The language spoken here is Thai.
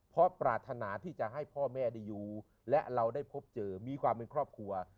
เพราะปรารถนาที่จะให้พ่อแม่ได้อยู่และเราได้พบเจอมีความเป็นครอบครัว